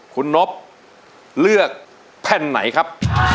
คุณนบเลือกแผ่นไหนครับ